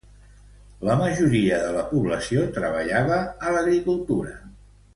La majoria de la població treballava a l'agricultura.